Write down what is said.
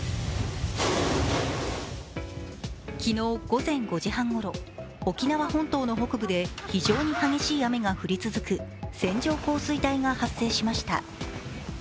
昨日午前５時半ごろ、沖縄本島の北部で非常に激しい雨が降り続く線状降水帯が発生しました。